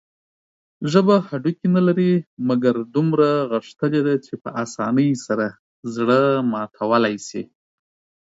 ژبه هډوکي نلري، مګر دومره غښتلي ده چې په اسانۍ سره زړه ماتولى شي.